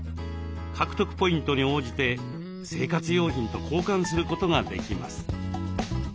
獲得ポイントに応じて生活用品と交換することができます。